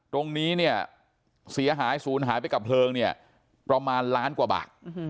ตรงนี้เนี่ยเสียหายศูนย์หายไปกับเพลิงเนี่ยประมาณล้านกว่าบาท